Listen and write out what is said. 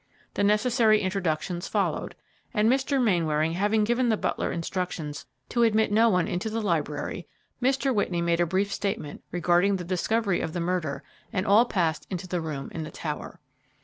The necessary introductions followed, and Mr. Mainwaring having given the butler instructions to admit no one into the library, Mr. Whitney made a brief statement regarding the discovery of the murder, and all passed into the room in the tower.